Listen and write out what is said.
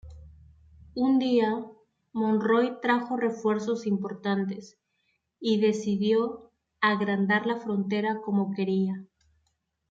Un día, Monroy trajo refuerzos importantes, y decidió agrandar la frontera como quería.